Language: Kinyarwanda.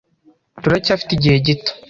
Turacyafite igihe gito.